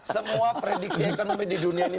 semua prediksi ekonomi di dunia ini